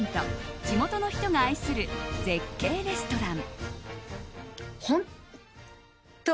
地元の人が愛する絶景レストラン！